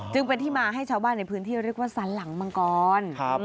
จึงเป็นที่มาให้ชาวบ้านในพื้นที่เรียกว่าสันหลังมังกร